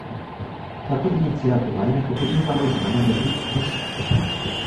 Tato iniciativa je nepochybně založena na dobrých úmyslech.